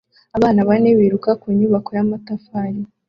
Abana bane biruka ku nyubako y'amatafari